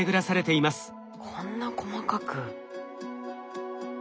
こんな細かく。